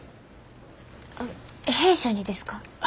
弊社にですか？